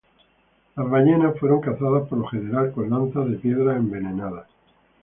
Las ballenas fueron cazadas por lo general con lanzas de piedra envenenadas.